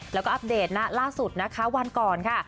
แล้วก็อัปเดตนะล่าสุดนะคะวันก่อนค่ะ